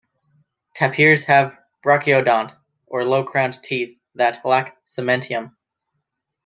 Tapirs have brachyodont, or low-crowned teeth, that lack cementum.